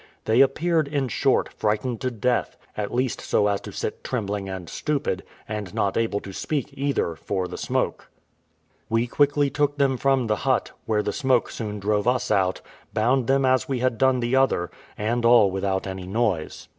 They appeared, in short, frightened to death, at least so as to sit trembling and stupid, and not able to speak either, for the smoke. We quickly took them from the hut, where the smoke soon drove us out, bound them as we had done the other, and all without any noise.